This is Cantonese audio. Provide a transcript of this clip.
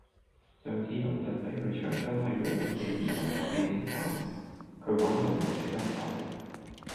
上次同侄仔去長洲體育館嘅兒童遊戲室玩，佢玩到唔捨得走。